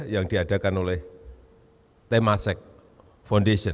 yang diadakan oleh temasek foundation